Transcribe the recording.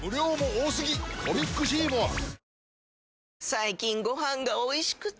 最近ご飯がおいしくて！